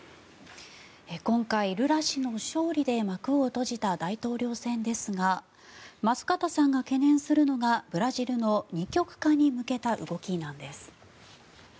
今回、ルラ氏の勝利で幕を閉じた大統領選ですが舛方さんが懸念するのがブラジルの二極化に向けた動きなんです。